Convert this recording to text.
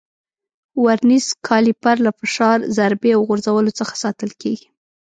ورنیز کالیپر له فشار، ضربې او غورځولو څخه ساتل کېږي.